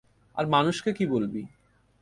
আর মানুষকে কী বলবি?